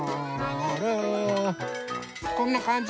こんなかんじ？